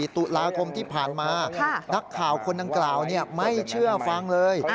ตุลาคมที่ผ่านมานักข่าวคนดังกล่าวไม่เชื่อฟังเลย